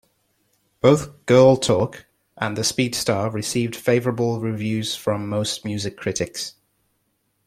Both "Girl Talk" and "The Speed Star" received favorable reviews from most music critics.